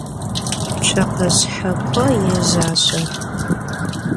Tsokhe şsheko yêjaşsu.